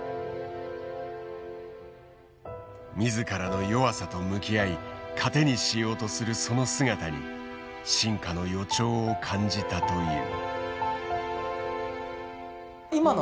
自らの弱さと向き合い糧にしようとするその姿に進化の予兆を感じたという。